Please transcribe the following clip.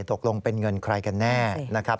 ตกลงเป็นเงินใครกันแน่นะครับ